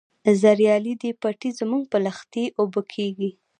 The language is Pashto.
زریالي دي پټی زموږ په لښتي اوبه کیږي.